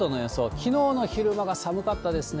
きのうの昼間が寒かったですね。